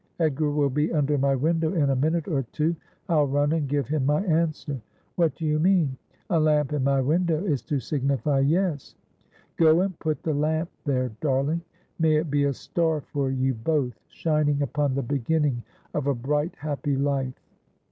' Edgar will be under my window in a minute or two. I'll run and give him my answer.' ' What do you mean ?' 'A lamp in my window is to signify Yes.' ' Go and put the lamp there, darling. May it be a star for you both, shining upon the beginning of a bright happy life